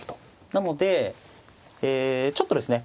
なのでちょっとですね